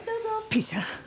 ピーちゃん！